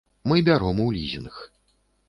Мы бяром у лізінг.